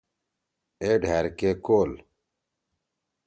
اے ڈھأر کے کول۔